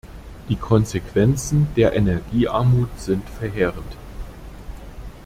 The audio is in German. Die Konsequenzen der Energiearmut sind verheerend.